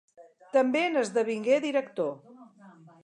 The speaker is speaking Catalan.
També n'esdevingué director.